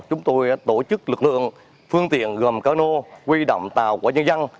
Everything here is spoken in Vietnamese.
chúng tôi tổ chức lực lượng phương tiện gồm cơ nô quy động tàu của nhân dân